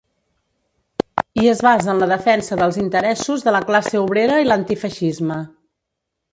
I es basa en la defensa dels interessos de la classe obrera i l'antifeixisme.